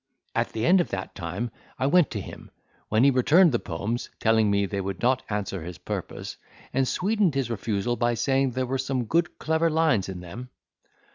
At the end of that time, I went to him, when he returned the poems, telling me, they would not answer his purpose, and sweetened his refusal by saying there were some good clever lines in them.